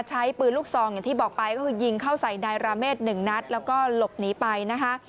ใช้ปืนลูกซองอย่างที่บอกไปก็คือยิงเข้าใส่นายราเมฆหนึ่งนัดแล้วก็หลบหนีไปนะคะ